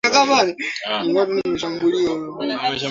Amepata pesa ngapi?